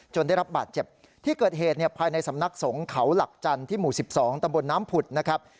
ได้รับบาดเจ็บที่เกิดเหตุเนี่ยภายในสำนักสงฆ์เขาหลักจันทร์ที่หมู่๑๒ตำบลน้ำผุดนะครับ